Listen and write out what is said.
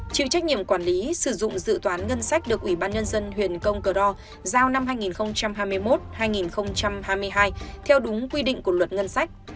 chịu trách nhiệm quản lý sử dụng dự toán ngân sách được ủy ban nhân dân huyện công cờ ro giao năm hai nghìn hai mươi một hai nghìn hai mươi hai theo đúng quy định của luật ngân sách